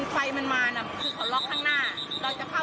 แต่มันเข้าได้